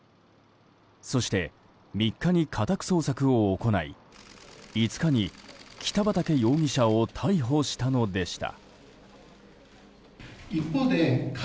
そして、３日に家宅捜索を行い５日に北畠容疑者を逮捕したのでした。